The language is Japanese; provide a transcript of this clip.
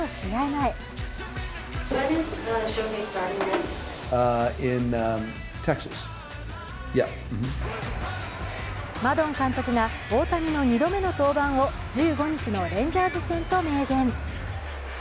前マドン監督が大谷の２度目の登板を１５日のレンジャーズ戦と明言。